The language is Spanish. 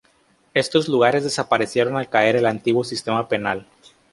Estos lugares desaparecieron al caer el antiguo sistema penal.